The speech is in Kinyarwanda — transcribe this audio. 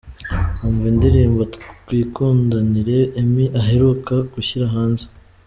Umva indirimbo "Twikundanire" Emmy aheruka gushyira hanze.